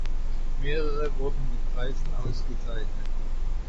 Mehrere wurden mit Preisen ausgezeichnet.